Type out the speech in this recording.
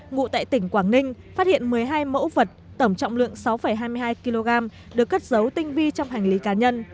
ngụ tại tỉnh quảng ninh phát hiện một mươi hai mẫu vật tổng trọng lượng sáu hai mươi hai kg được cất dấu tinh vi trong hành lý cá nhân